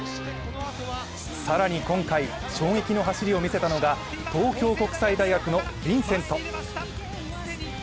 更に今回、衝撃の走りを見せたのが東京国際大学のヴィンセント。